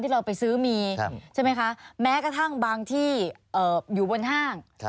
และกระทั่งบางที่อยู่บนห้าง